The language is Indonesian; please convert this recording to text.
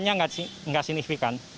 kenaikannya nggak signifikan